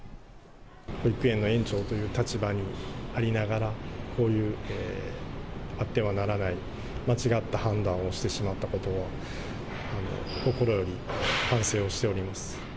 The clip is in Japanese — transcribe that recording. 保育園の園長という立場にありながら、こういうあってはならない、間違った判断をしてしまったことは、心より反省をしております。